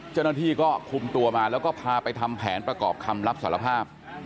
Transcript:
เจ้าหน้าที่ก็คุมตัวมาแล้วก็พาไปทำแผนประกอบคำรับสารภาพ